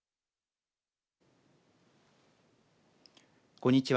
こんにちは。